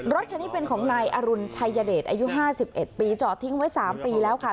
รถคันนี้เป็นของนายอรุณชัยเดชอายุ๕๑ปีจอดทิ้งไว้๓ปีแล้วค่ะ